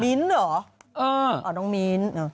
มิ้นเหรออ๋อน้องมิ้น